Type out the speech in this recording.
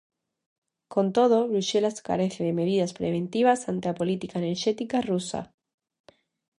Con todo, Bruxelas carece de medidas preventivas ante a política enerxética rusa.